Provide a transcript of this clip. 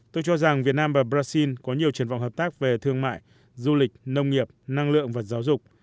tôi cho rằng việt nam và brazil có nhiều triển vọng hợp tác về thương mại du lịch nông nghiệp năng lượng và giáo dục